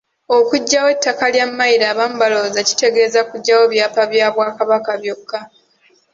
Okuggyawo ettaka lya mmayiro abamu balowooza kitegeeza kuggyawo byapa by’Obwakabaka byokka.